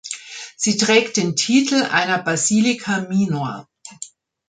Sie trägt den Titel einer Basilica minor.